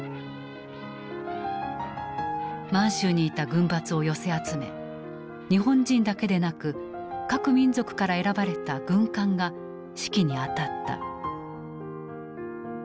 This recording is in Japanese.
満州にいた軍閥を寄せ集め日本人だけでなく各民族から選ばれた「軍官」が指揮に当たった。